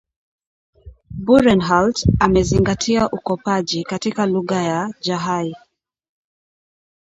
Burenhult amezingatia ukopaji katika lugha ya Jahai